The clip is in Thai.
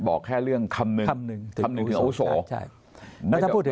บอกแค่เรื่องคำนึงคำนึงถึงอุโส